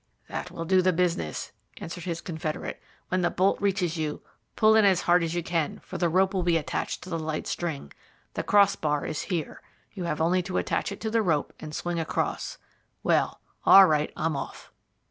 "That will do the business," answered his confederate; "when the bolt reaches you, pull in as hard as you can, for the rope will be attached to the light string. The crossbar is here. You have only to attach it to the rope and swing across. Well, all right, I'm off."